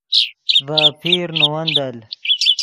ڤے اپیر نے ون دل